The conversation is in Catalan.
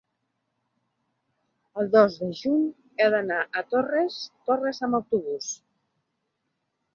El dos de juny he d'anar a Torres Torres amb autobús.